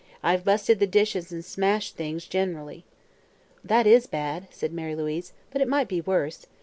I've busted the dishes an' smashed things gen'rally." "That is bad," said Mary Louise; "but it might be worse.